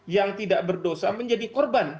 yang tidak berdosa menjadi korban